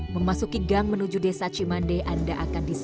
memasuki gang menuju desa cimandi anda akan disambut